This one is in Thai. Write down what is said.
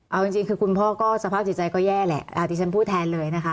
เอาจริงคือคุณพ่อก็สภาพจิตใจก็แย่แหละที่ฉันพูดแทนเลยนะคะ